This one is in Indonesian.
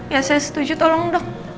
ya saya setuju tolong dok